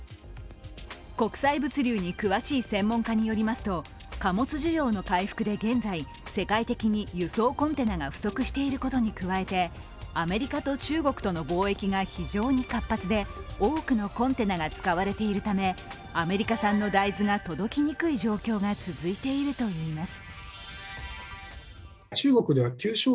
更に外国産の大豆も貨物需要の回復で現在、世界的に輸送コンテナが不足していることに加えてアメリカと中国との貿易が非常に活発で多くのコンテナが使われているためアメリカ産の大豆が届きにくい状況が続いているといいます。